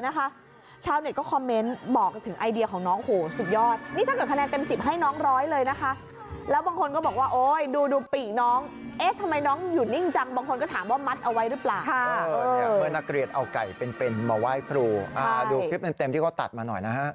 เนึกเลยนะคะนะคะแล้วบางคนก็บอกว่าโอ้ยดูปีน้องเอ๊ะทำไมน้องอยู่นิ่งจังบางคนก็ถามว่ามัดเอาไว้หรือเปล่านักเรียสเอาไก่เป็นมาไหว้ครูดูคลิปเต็มที่เขาตัดมาหน่อยนะฮะ